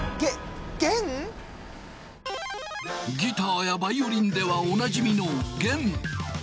ギターやバイオリンではおなじみの弦。